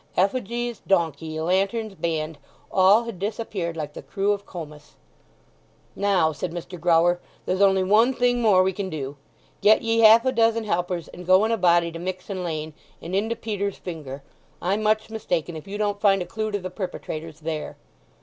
Effigies, donkey, lanterns, band, all had disappeared like the crew of Comus. "Now," said Mr. Grower, "there's only one thing more we can do. Get ye half a dozen helpers, and go in a body to Mixen Lane, and into Peter's Finger. I'm much mistaken if you don't find a clue to the perpetrators there."